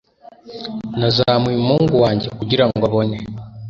Nazamuye umuhungu wanjye kugirango abone